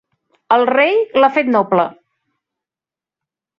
El rei l'ha fet noble.